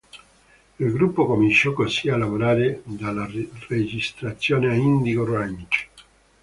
Il gruppo cominciò così a lavorare alle registrazioni a Indigo Ranch.